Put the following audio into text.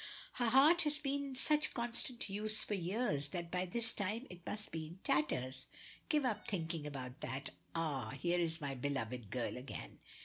Her heart has been in such constant use for years that by this time it must be in tatters. Give up thinking about that. Ah! here is my beloved girl again!"